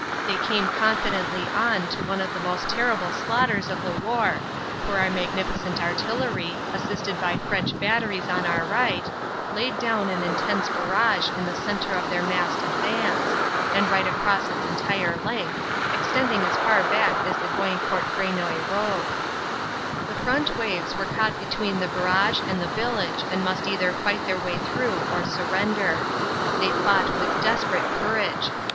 They came confidently on to one of the most terrible slaughters of the war, for our magnificent artillery, assisted by French batteries on our right, laid down an intense barrage in the cen tre of their massed advance, and right across its entire length, extending as far back as the Goyencourt Fresnoy road. OPERATIONS: AUG. 12 20 67 The front waves were caught between the barrage and the village and must either fight their way through or surrender. They fought with desperate courage.